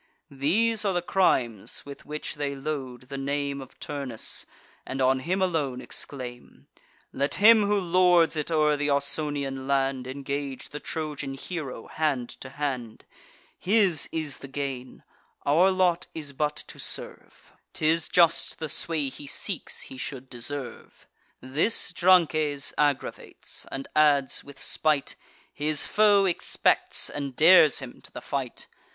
These are the crimes with which they load the name Of Turnus, and on him alone exclaim: "Let him who lords it o'er th' Ausonian land Engage the Trojan hero hand to hand: His is the gain; our lot is but to serve; 'Tis just, the sway he seeks, he should deserve." This Drances aggravates; and adds, with spite: "His foe expects, and dares him to the fight."